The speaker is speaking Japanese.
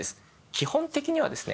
基本的にはですね